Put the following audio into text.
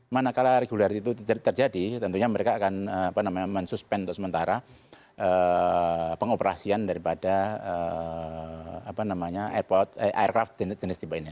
manakala regularity itu terjadi tentunya mereka akan apa namanya men suspend sementara pengoperasian daripada apa namanya aircraft jenis jenis tipe ini